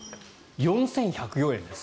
４１０４円です。